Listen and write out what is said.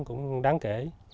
cũng đáng kể